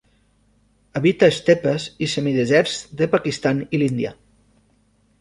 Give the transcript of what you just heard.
Habita estepes i semideserts de Pakistan i l'Índia.